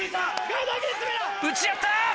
打ち合った！